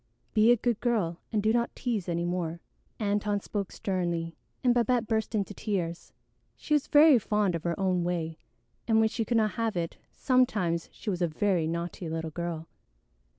Be a good girl and do not tease any more." Antone spoke sternly, and Babette burst into tears. She was very fond of her own way, and when she could not have it, sometimes she was a very naughty little girl.